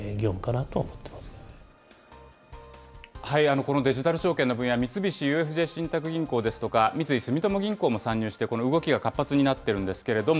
このデジタル証券の分野、三菱ＵＦＪ信託銀行ですとか、三井住友銀行も参入してこの動きが活発になってるんですけれども。